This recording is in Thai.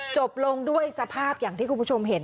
จบลงด้วยสภาพอย่างที่คุณผู้ชมเห็น